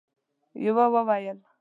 يوه وويل: